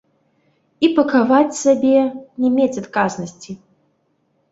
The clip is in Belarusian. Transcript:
І пакаваць сабе, не мець адказнасці.